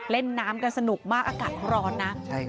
เล่นน้ำกันสนุกมากอากาศร้อนนะใช่ค่ะ